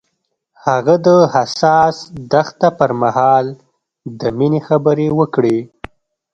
هغه د حساس دښته پر مهال د مینې خبرې وکړې.